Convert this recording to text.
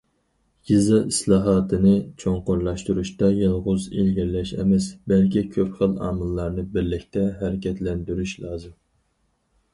يېزا ئىسلاھاتىنى چوڭقۇرلاشتۇرۇشتا يالغۇز ئىلگىرىلەش ئەمەس، بەلكى كۆپ خىل ئامىللارنى بىرلىكتە ھەرىكەتلەندۈرۈش لازىم.